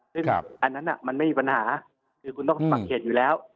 ซึ่งอันนั้นมันไม่มีปัญหาคือคุณต้องปรับเขตอยู่แล้ว